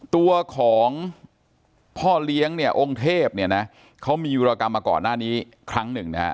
ตัวของพ่อเลี้ยงเนี่ยองค์เทพเนี่ยนะเขามีอยู่ละกับอากรณ้านี่คลั้งหนึ่งนะ